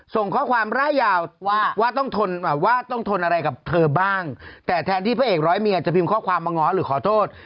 ส่งข้อความร่ายยาวว่าต้องทนแบบว่าต้องทนอะไรกับเธอบ้างแต่แทนที่พระเอกร้อยเมียจะพิมพ์ข้อความมาง้อหรือขอโทษ